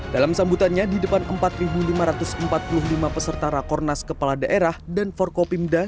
dalam sambutannya di depan empat lima ratus empat puluh lima peserta rakornas kepala daerah dan forkopimda